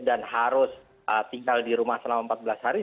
dan harus tinggal di rumah selama empat belas hari